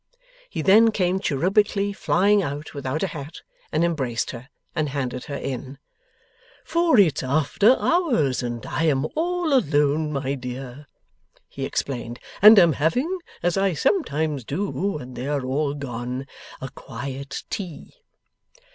He then came cherubically flying out without a hat, and embraced her, and handed her in. 'For it's after hours and I am all alone, my dear,' he explained, 'and am having as I sometimes do when they are all gone a quiet tea.